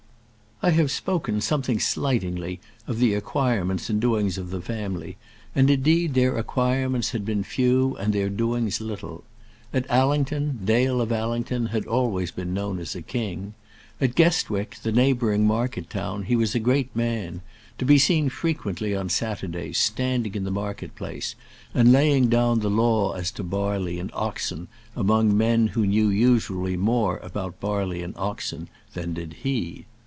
I have spoken something slightingly of the acquirements and doings of the family; and indeed their acquirements had been few and their doings little. At Allington, Dale of Allington had always been known as a king. At Guestwick, the neighbouring market town, he was a great man to be seen frequently on Saturdays, standing in the market place, and laying down the law as to barley and oxen among men who knew usually more about barley and oxen than did he.